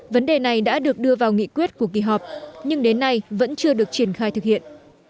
vấn đề này đã được đưa vào nghị quyết của kỳ họp nhưng đến nay vẫn chưa được triển khai thực hiện